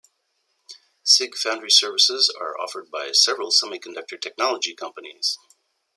SiGe foundry services are offered by several semiconductor technology companies.